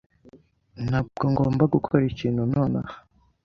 Ntabwo ngomba gukora ikintu nonaha.